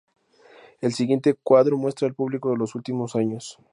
El siguiente cuadro muestra al público los últimos años.